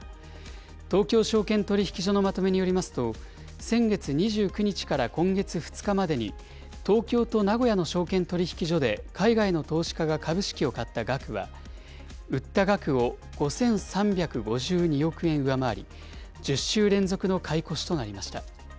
東京証券取引所のまとめによりますと、先月２９日から今月２日までに、東京と名古屋の証券取引所で海外の投資家が株式を買った額は、売った額を５３５２億円上回り、１０週連続の買い越しとなりました。